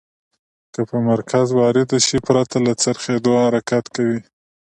که په مرکز وارده شي پرته له څرخیدو حرکت کوي.